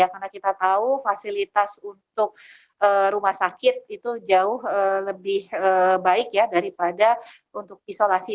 karena kita tahu fasilitas untuk rumah sakit itu jauh lebih baik daripada untuk isolasi